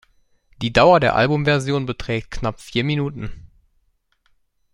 Die Dauer der Albumversion beträgt knapp vier Minuten.